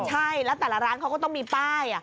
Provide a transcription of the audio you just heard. ใช่แล้วแต่ละร้านเขาก็ต้องมีป้าย